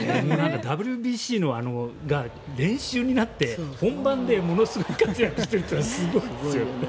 ＷＢＣが練習になって本番でものすごい活躍をしてるのはすごいですよね。